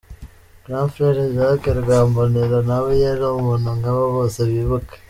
“Grand frère Jacques Rwambonera nawe yali umuntu nk´abo bose bibuka!!!